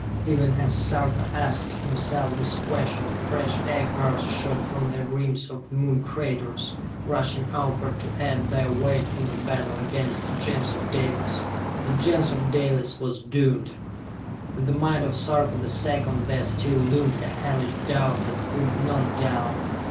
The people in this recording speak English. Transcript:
Even as Sarka asked himself this question fresh Aircars shot from the rims of Moon craters, rushing outward to add their weight in the battle against the Gens of Dalis. The Gens of Dalis was doomed! In the mind of Sarka the Second there still loomed a hellish doubt that would not down.